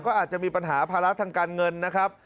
ก็อาจจะมีปัญหาภาระทางการเงินนะครับ